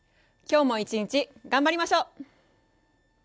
今日も一日、頑張りましょう。